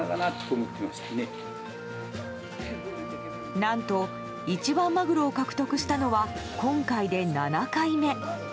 何と、一番マグロを獲得したのは今回で７回目。